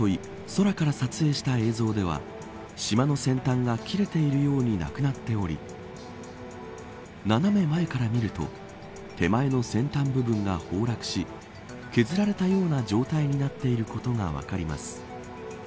空から撮影した映像では島の先端が切れているようになくなっており斜め前から見ると手前の先端部分が崩落し削られたような状態になっていることが分かります。